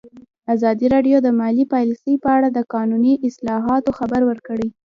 ازادي راډیو د مالي پالیسي په اړه د قانوني اصلاحاتو خبر ورکړی.